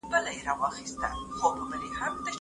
نوی نسل باید تاریخ په دقت سره مطالعه کړي.